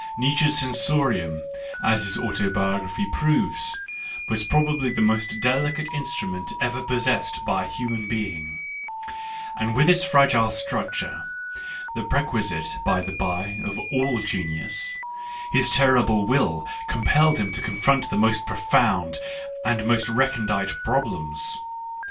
Nietzsche's sensorium, as his autobiography proves, was probably the most delicate instrument ever possessed by ahuman being; and with this fragile structure — the prerequisite, by the bye, of all genius, — his terrible will compelled him to confront the most profound and most recondite problems.